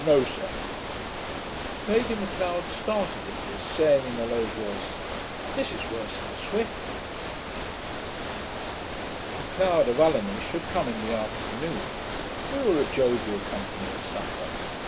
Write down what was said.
'No, sir.' Lady M'Leod started at this, saying, in a low voice, 'This is worse than Swift.' M'Leod of Ulinish had come in the afternoon. We were a jovial company at supper.